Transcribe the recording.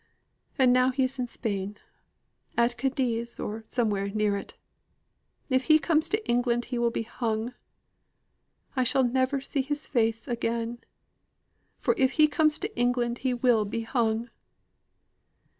And now he is in Spain. At Cadiz, or somewhere near it. If he comes to England he will be hung. I shall never see his face again for if he comes to England he will be hung."